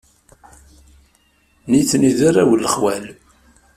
Nitni d arraw n lexwal.